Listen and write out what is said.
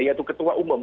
yaitu ketua umum